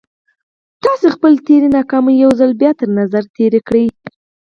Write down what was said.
تاسې خپلې تېرې ناکامۍ يو ځل بيا تر نظر تېرې کړئ.